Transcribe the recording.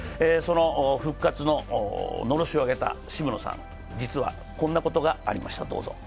復活ののろしを上げた渋野さん、こんなことがありました。